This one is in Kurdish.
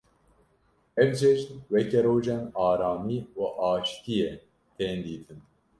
Ev cejn weke rojên aramî û aşîtiyê tên dîtin.